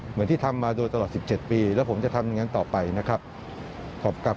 เหมือนที่ทำมาโดยตลอด๑๗ปีแล้วผมจะทำอย่างนั้นต่อไปนะครับขอบครับ